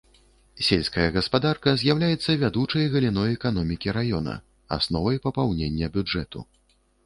Сельская гаспадарка з'яўляецца вядучай галіной эканомікі раёна, асновай папаўнення бюджэту.